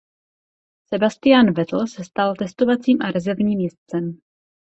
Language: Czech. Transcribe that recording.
Sebastian Vettel se stal testovacím a rezervním jezdcem.